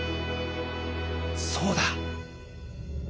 そうだ！